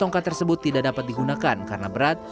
tongkat tersebut tidak dapat digunakan karena berat